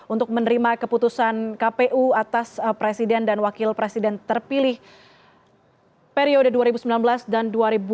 untuk menerima keputusan kpu atas presiden dan wakil presiden terpilih periode dua ribu sembilan belas dan dua ribu sembilan belas